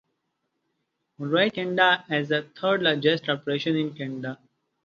Roe Canada as the third largest corporation in Canada.